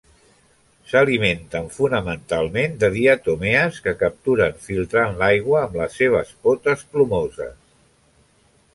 S'alimenten fonamentalment de diatomees que capturen filtrant l'aigua amb les seves potes plomoses.